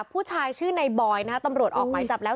ผู้ชายชื่อในบอยนะฮะตำรวจออกหมายจับแล้ว